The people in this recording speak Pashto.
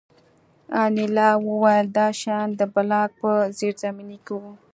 انیلا وویل دا شیان د بلاک په زیرزمینۍ کې وو